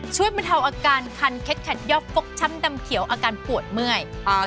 ช่วยมาทำอาการคันเค็ดคันยอบฟกช่ำดำเขียวอาการปวดเมื่อย